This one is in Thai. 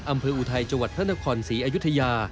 อำเภออุไทยจพระนครศรีอายุทยา